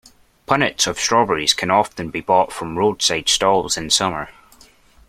Punnets of strawberries can often be bought from roadside stalls in summer